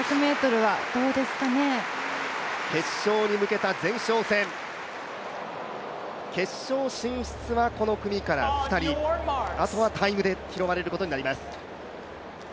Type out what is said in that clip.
決勝に向けた前哨戦、決勝進出はこの組から２人あとはタイムで拾われることになります。